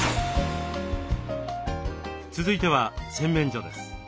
続いては洗面所です。